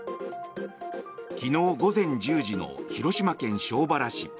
昨日午前１０時の広島県庄原市。